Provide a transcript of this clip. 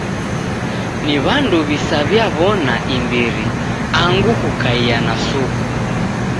Ni w'andu w'isaw'iaw'ona imbiri angu kukaia na suku.